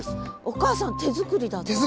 お母さん手作りだったの？